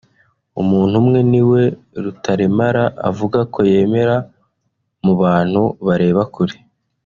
umuntu umwe niwe Rutaremara avuga ko yemera “mu bantu bareba kure”